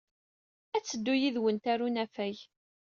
Ad teddu yid-went ɣer unafag.